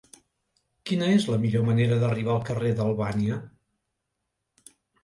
Quina és la millor manera d'arribar al carrer d'Albània?